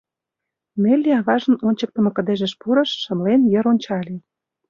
Нелли аважын ончыктымо кыдежыш пурыш, шымлен йыр ончале.